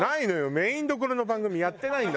メインどころの番組やってないんだもん